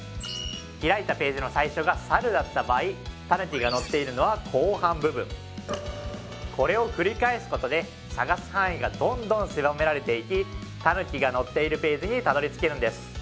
開いたページの最初が「さる」だった場合「たぬき」が載っているのは後半部分これを繰り返すことで探す範囲がどんどん狭められていき「たぬき」が載っているページにたどり着けるんです